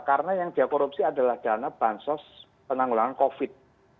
karena yang dikorupsi adalah dana bansos penanggulangan covid